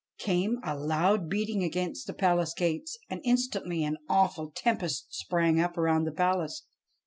Came a loud beating against the palace gates, and instantly an awful tempest sprang up around the palace.